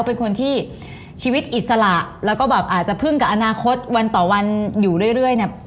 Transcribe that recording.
เป็นคนที่ชีวิตอิสระแล้วก็แบบอาจจะพึ่งกับอนาคตวันต่อวันอยู่เรื่อยเนี่ย